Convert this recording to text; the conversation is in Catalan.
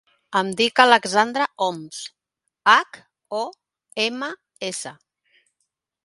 Em dic Alexandra Homs: hac, o, ema, essa.